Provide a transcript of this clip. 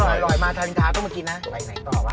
เอออร่อยเลยอร่อยมาทางครามต้องมากินนะกลับไปไหนต่อล่ะ